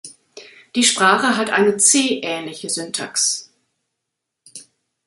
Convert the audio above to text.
Die Sprache hat eine C-ähnliche Syntax.